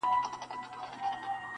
خبر اوسه چي دي نور ازارومه,